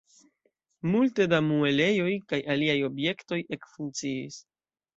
Multe da muelejoj kaj aliaj objektoj ekfunkciis.